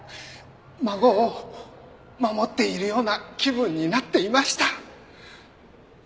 孫を守っているような気分になっていました。